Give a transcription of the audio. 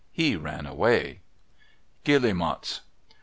He ran away. _Guillemots.